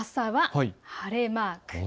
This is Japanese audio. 朝は晴れマーク。